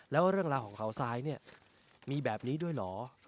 แล้วเรื่องราวของเขาทรายเนี่ยมีแบบนี้ด้วยเหรอ